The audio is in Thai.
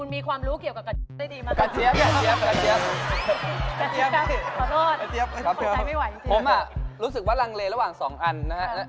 ผมอ่ะรู้สึกว่ารังเลระหว่าง๒อันนะครับ